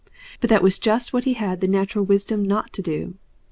But that was just what he had the natural wisdom not to do.